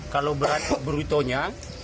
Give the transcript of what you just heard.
kalau berat brutonya